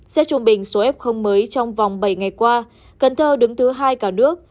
xét trung bình số f mới trong vòng bảy ngày qua cần thơ đứng thứ hai cả nước